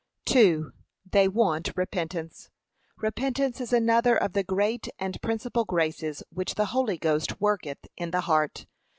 2. [They want REPENTANCE.] Repentance is another of the great and principal graces which the Holy Ghost worketh in the heart.